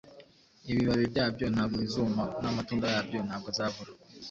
ibibabi byabyo ntabwo bizuma, n’amatunda yabyo ntabwo azabura;